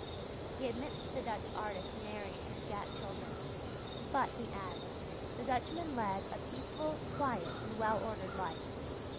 He admits that the Dutch artists married and begat children; but, he adds: "The Dutchmen led a peaceful, quiet, and well ordered life" (page 61).